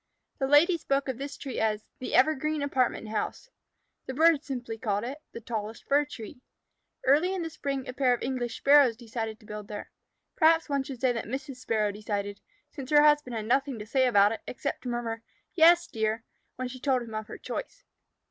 The Lady spoke of this tree as "The Evergreen Apartment House." The birds simply called it "The Tallest Fir Tree." Early in the spring a pair of English Sparrows decided to build there. Perhaps one should say that Mrs. Sparrow decided, since her husband had nothing to say about it, except to murmur "Yes, dear," when she told him of her choice.